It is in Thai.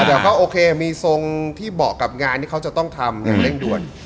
เดี๋ยวก็โอเคมีทรงที่เหมาะกับงานที่เขาจะต้องทำอย่างเร่งด่วน